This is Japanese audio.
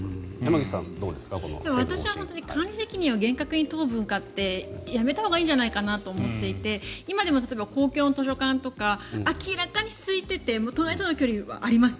私は管理責任を厳格に問う文化ってやめたほうがいいと思っていて今でも例えば公共の図書館とか明らかにすいてて隣との距離もあります